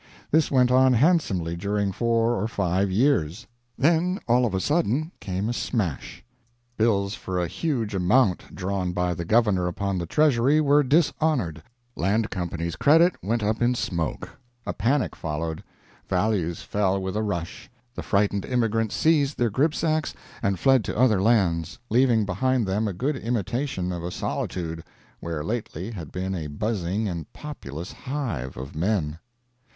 This went on handsomely during four or five years. Then all of a sudden came a smash. Bills for a huge amount drawn by the governor upon the Treasury were dishonored, land company's credit went up in smoke, a panic followed, values fell with a rush, the frightened immigrants seized their gripsacks and fled to other lands, leaving behind them a good imitation of a solitude, where lately had been a buzzing and populous hive of men.